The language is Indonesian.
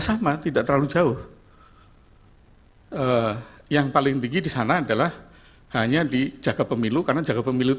sama tidak terlalu jauh yang paling tinggi di sana adalah hanya dijaga pemilu karena jaga pemilu